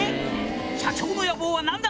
「社長の野望は何だ？」